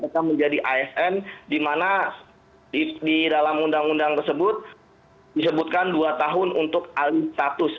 mereka menjadi asn di mana di dalam undang undang tersebut disebutkan dua tahun untuk alih status